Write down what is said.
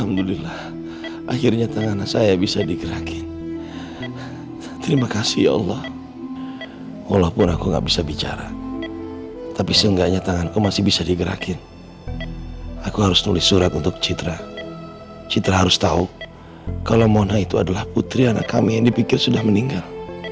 alhamdulillah akhirnya tangan saya bisa digerakin terima kasih allah walaupun aku nggak bisa bicara tapi seenggaknya tanganku masih bisa digerakin aku harus nulis surat untuk citra citra harus tahu kalau mona itu adalah putri anak kami yang dipikir sudah meninggal